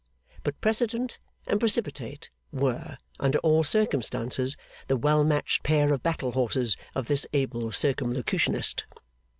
But Precedent and Precipitate were, under all circumstances, the well matched pair of battle horses of this able Circumlocutionist.